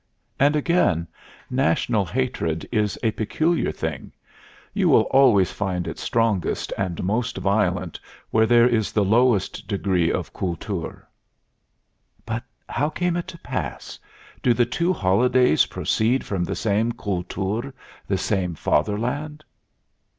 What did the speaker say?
'" And again: "National hatred is a peculiar thing. You will always find it strongest and most violent where there is the lowest degree of Kultur." But how came it to pass? Do the two holidays proceed from the same Kultur, the same Fatherland?